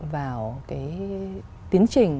vào cái tiến trình